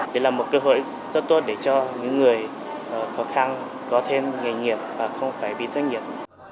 đây là một cơ hội rất tốt để cho những người khó khăn có thêm nghề nghiệp và không phải bị thất nghiệp